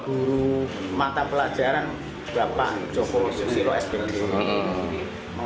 guru mata pelajaran bapak joko susilo s b n